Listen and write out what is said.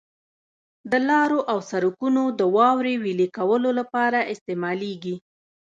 د لارو او سرکونو د واورې ویلي کولو لپاره استعمالیږي.